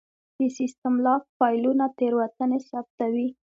د سیسټم لاګ فایلونه تېروتنې ثبتوي.